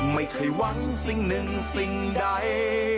ไม่เคยหวังสิ่งหนึ่งสิ่งใด